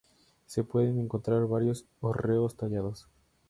Se pueden encontrar varios hórreos tallados.